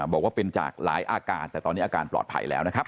บอกว่าเป็นจากหลายอาการแต่ตอนนี้อาการปลอดภัยแล้วนะครับ